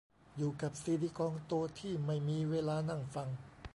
อยู่กับซีดีกองโตที่ไม่มีเวลานั่งฟัง